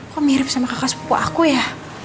kok mirip sama kakak sepupu aku ya